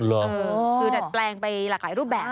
คือดัดแปลงไปหลากหลายรูปแบบ